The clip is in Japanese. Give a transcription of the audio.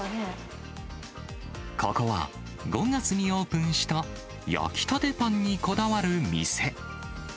ここは、５月にオープンした焼きたてパンにこだわる店。